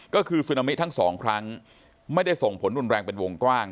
ก็คือซึนามิทั้งสองครั้งไม่ได้ส่งผลรุนแรงเป็นวงกว้าง